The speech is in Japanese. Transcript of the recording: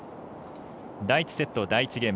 第１セット、第１ゲーム。